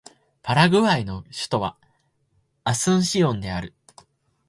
パラグアイの首都はアスンシオンである